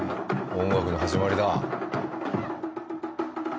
音楽の始まりだ。